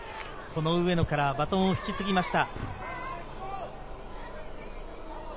上野からバトンを引き継ぎました。